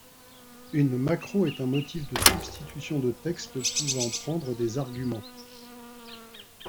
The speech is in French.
Une macro est un motif de substitution de texte pouvant prendre des arguments.